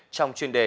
trong chuyên đề